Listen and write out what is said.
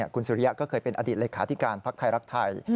คุณสุริยะก็เคยเป็นอดีตเลขาธิการภักดิ์ไทยรักไทย